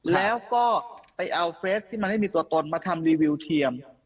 แล้วก็ไปเอาเฟสที่มันไม่มีตัวตนมาทำรีวิวเทียม